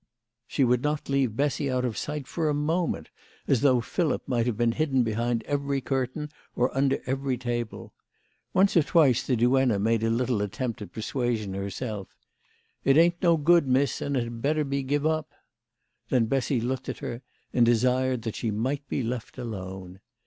She would not leave Bessy out of sight for a moment, as though Philip might have been hidden behind every curtain or under every table. Once or THE LADY OF LATIN AY. 155 twice the duenna made a little attempt at persuasion herself : "It ain't no good, miss, and it had better be give up." Then Bessy looked at her, and desired that she might be left alone.